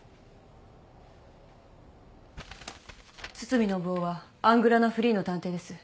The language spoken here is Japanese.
堤暢男はアングラなフリーの探偵です。